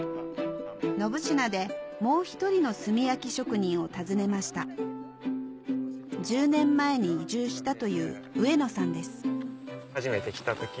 信級でもう一人の炭焼き職人を訪ねました１０年前に移住したという植野さんです